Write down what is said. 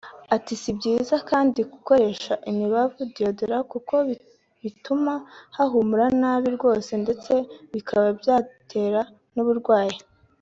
Ati “Si byiza kandi gukoresha imibavu ‘deodorants’ kuko bituma hahumura nabi rwose ndetse bikaba byatera n’uburwayi